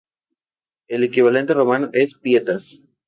El equivalente romano es Pietas.